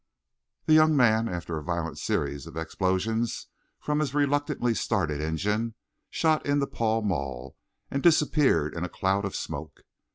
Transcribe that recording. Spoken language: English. The young man, after a violent series of explosions from his reluctantly started engine, shot into Pall Mall and disappeared in a cloud of smoke.